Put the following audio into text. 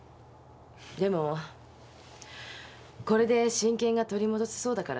でもこれで親権が取り戻せそうだから。